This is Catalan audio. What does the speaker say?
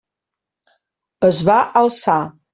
Es va alçar.